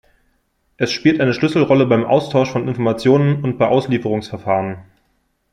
Es spielt eine Schlüsselrolle beim Austausch von Informationen und bei Auslieferungsverfahren.